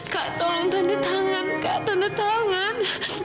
kak tolong tanda di tangan kak tanda tangan